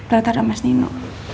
rata ada mas nino